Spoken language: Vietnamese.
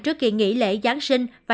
trước kỳ nghỉ lễ giáng sáng